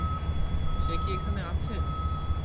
সে কি এখানে আছে?